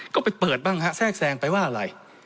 ก็ไปเปิดบ้างฮะแทรกแทรงไปว่าอะไร